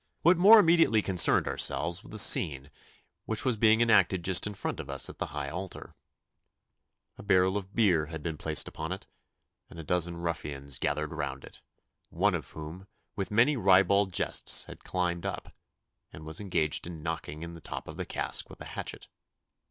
What more immediately concerned ourselves was the scene which was being enacted just in front of us at the high altar. A barrel of beer had been placed upon it, and a dozen ruffians gathered round it, one of whom with many ribald jests had climbed up, and was engaged in knocking in the top of the cask with a hatchet.